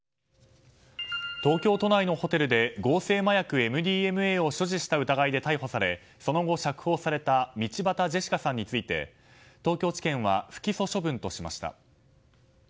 東京都内のホテルで合成麻薬ＭＤＭＡを所持した疑いで逮捕されその後、釈放された道端ジェシカさんについて東京地検は不起訴処分としました。